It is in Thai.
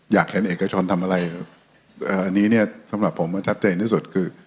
อยากเห็นเอกชนทำอะไรอันนี้เนี่ยสำหรับผมมันชัดเจนที่สุดคือ